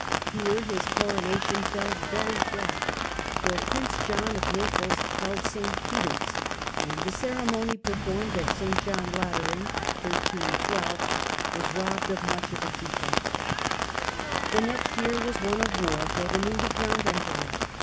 Here his coronation fell very flat, for Prince John of Coronation Naples held St. Peter's, and the ceremony performed atvii. Tt^^ St. John Lateran was robbed of much of its effect. The ^°"^'^^^^ next year was one of war for the newly crowned Emperor.